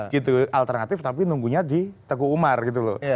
gitu alternatif tapi nunggunya di teguh umar gitu loh